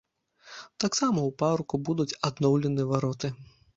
Таксама ў парку будуць адноўлены вароты.